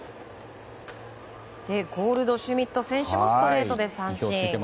ゴールドシュミット選手もストレートで三振。